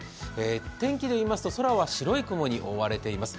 天気でいいますと空は白い雲に覆われています。